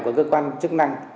của cơ quan chức năng